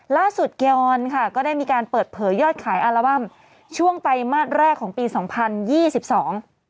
ล่าสุดเกรอนค่ะก็ได้มีการเปิดเผยยอดขายอัลบั้มช่วงไตรมาสแรกของปีสองพันยี่สิบสอง